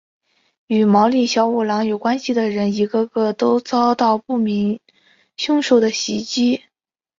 与毛利小五郎有关系的人一个个都遭到不明凶手的袭击。